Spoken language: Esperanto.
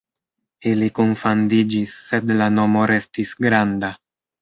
Ili kunfandiĝis, sed la nomo restis "Granda".